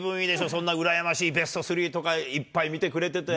そんなうらやましいベスト３とか、いっぱい見てくれてて。